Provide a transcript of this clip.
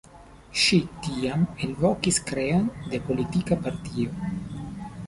Ŝi tiam elvokis kreon de politika partio.